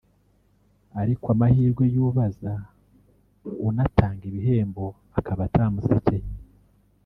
ariko amahirwe y’ubaza unatanga ibihembo akaba atamusekeye